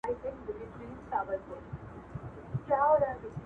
د نړیوالو اصولو او نورمونو له مخې